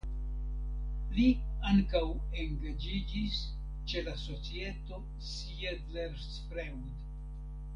Li ankaŭ engaĝiĝis ĉe la societo "Siedlersfreud".